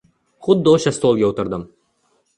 Xuddi o’sha stolga o’tirdim.